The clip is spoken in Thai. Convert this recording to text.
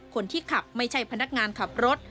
คนที่ขับไม่ใช่พนักงานขับรถ